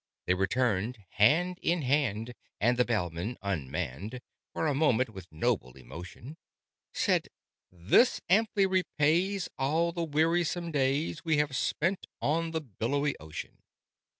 They returned hand in hand, and the Bellman, unmanned (For a moment) with noble emotion, Said "This amply repays all the wearisome days We have spent on the billowy ocean!"